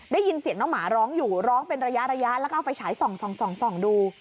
ได้ยินเสียงน้องหมาร้องอยู่ร้องเป็นระยะแล้วก็เอาไฟฉายส่องดู